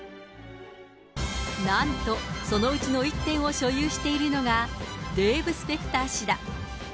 なんと、そのうちの１点を所有しているのが、デーブ・スペクター氏だ。